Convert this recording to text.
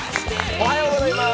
おはようございます。